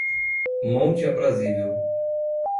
Monte Aprazível